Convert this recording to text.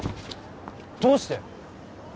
どうして？